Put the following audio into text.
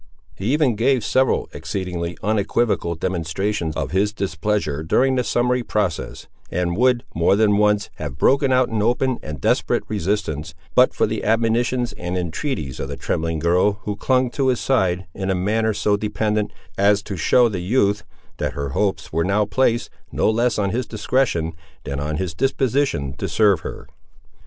He even gave several exceedingly unequivocal demonstrations of his displeasure during the summary process, and would, more than once, have broken out in open and desperate resistance, but for the admonitions and entreaties of the trembling girl, who clung to his side, in a manner so dependent, as to show the youth, that her hopes were now placed, no less on his discretion, than on his disposition to serve her.